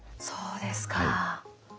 そうですか。